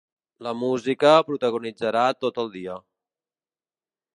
La música protagonitzarà tot el dia.